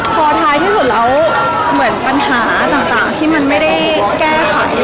พอท้ายที่สุดแล้วเหมือนปัญหาต่างที่มันไม่ได้แก้ไข